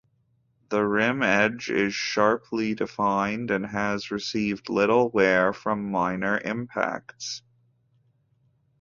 The rim edge is sharply defined and has received little wear from minor impacts.